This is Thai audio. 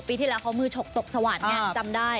ปีที่แล้วเขามือฉกตกสว่านอย่างจำได้